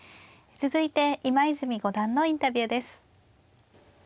続いて今泉五段のインタビューです。